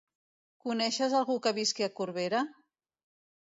Coneixes algú que visqui a Corbera?